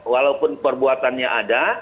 walaupun perbuatannya ada